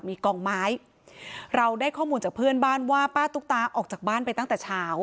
มีกองไม้เราได้ข้อมูลจากเพื่อนบ้านว่าป้าตุ๊กตาออกจากบ้านไปตั้งแต่เช้า